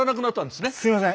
すいません。